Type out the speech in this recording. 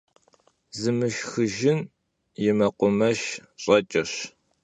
Zımışşxıjjın yi mekhumeşş ş'eç'eş.